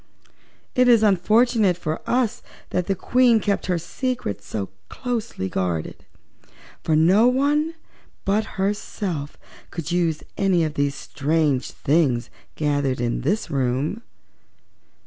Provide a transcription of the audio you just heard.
"It is unfortunate for us that the Queen kept her secrets so closely guarded, for no one but herself could use any of these strange things gathered in this room."